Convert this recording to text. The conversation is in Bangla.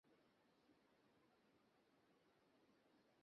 কিন্তু ফাইনালে জার্মানির বিপক্ষে অতিরিক্ত সময়ের গোলে সেই সুযোগটাও হারিয়েছেন তিনি।